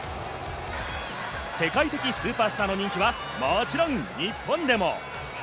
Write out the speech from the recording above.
世界的スーパースターの人気はもちろん日本でも。